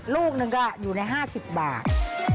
ลูกหนึ่งก็อยู่ใน๕๐บาท